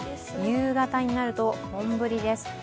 夕方になると、本降りです。